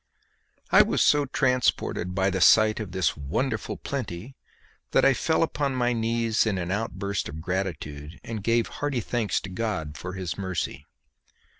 I was so transported by the sight of this wonderful plenty that I fell upon my knees in an outburst of gratitude and gave hearty thanks to God for His mercy.